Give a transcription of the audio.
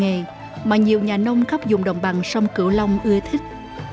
điều này lại là một nghề mà nhiều nhà nông khắp dùng đồng bằng sông cửu long ưa thích